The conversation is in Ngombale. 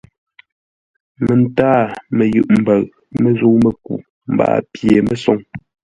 Məntâa məyʉʼ mbəu məzəu-mə́ku mbaa pye məsoŋ.